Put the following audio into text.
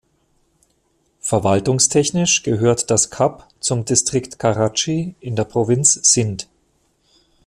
Verwaltungstechnisch gehört das Kap zum Distrikt Karatschi in der Provinz Sindh.